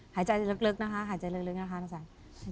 หายใจลึกนะคะหายใจลึกนะคะน้องสาย